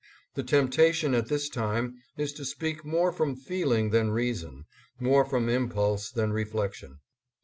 The temptation at this time is to speak more from feeling than reason, more from impulse than reflection.